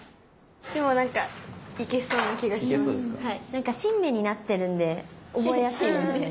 なんかシンメになってるんで覚えやすいですね。